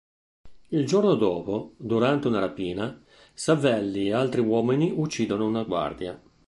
Il giorno dopo, durante una rapina, Savelli e altri uomini uccidono una guardia.